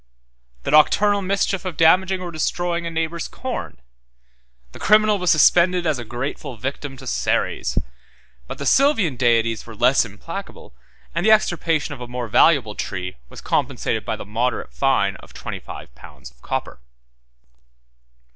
177 8. The nocturnal mischief of damaging or destroying a neighbor's corn. The criminal was suspended as a grateful victim to Ceres. But the sylvan deities were less implacable, and the extirpation of a more valuable tree was compensated by the moderate fine of twenty five pounds of copper.